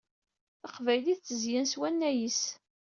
Taqbaylit tezyen s wanay-is.